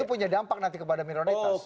ini punya dampak nanti kepada minoritas